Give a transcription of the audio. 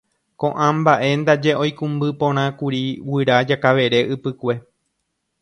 Ko'ã mba'e ndaje oikũmbyporãkuri guyra Jakavere Ypykue